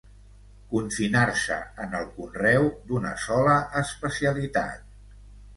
Confinar-se en el conreu d'una sola especialitat.